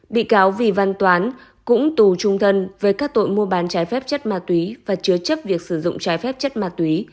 bị cáo vì văn toán cũng tù trung thân với các tội mua bàn chai phép chất ma túy và chứa chấp việc sử dụng chai phép chất ma túy